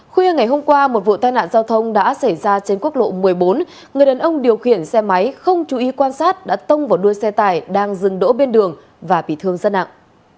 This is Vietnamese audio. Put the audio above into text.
khuya ngày hôm qua một vụ tai nạn giao thông đã xảy ra trên quốc lộ một mươi bốn người đàn ông điều khiển xe máy không chú ý quan sát đã tông vào đuôi xe tải đang dừng đỗ bên đường và bị thương rất nặng